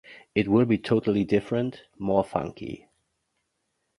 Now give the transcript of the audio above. It will be totally different, more funky.